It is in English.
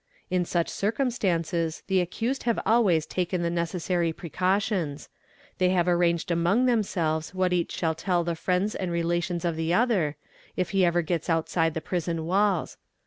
In such circumstances the accused have always taken the necessary precautions ; 4 they have arranged among themselves what each shall tell the friends and relations of the other, if he ever gets outside the prison walls.